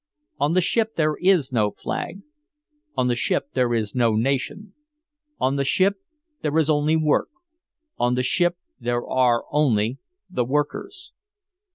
On the ship there is no flag on the ship there is no nation on the ship there is only work on the ship there are only the workers!